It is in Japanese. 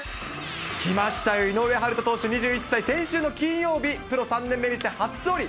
きました、井上温大投手２１歳、先週の金曜日、プロ３年目にして初勝利。